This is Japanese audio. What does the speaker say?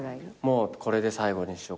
もうこれで最後にしよう